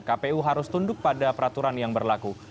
kpu harus tunduk pada peraturan yang berlaku